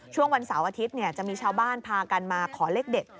ช่วงวันเสาร์อาทิตย์จะมีชาวบ้านพากันมาขอเลขเด็ด